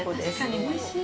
おいしい！